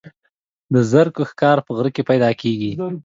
د زرکو ښکار په غره کې پیدا کیږي.